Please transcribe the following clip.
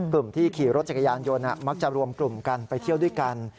กลุ่มที่ขี่รถจักรยานยนต์มักจะรวมกลุ่มกันไปเที่ยวด้วยกัน